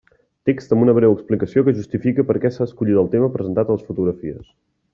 Text amb una breu explicació que justifiqui per què s'ha escollit el tema presentat a les fotografies.